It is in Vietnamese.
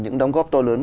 những đóng góp to lớn